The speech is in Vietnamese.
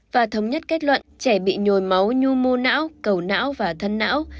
và thống nhất kết luận trẻ bị nhồi máu nhu mô não cầu não và thân não